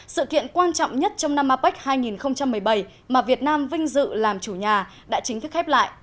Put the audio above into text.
sự kiện quan trọng nhất trong năm apec hai nghìn một mươi bảy mà việt nam vinh dự làm chủ nhà đã chính thức khép lại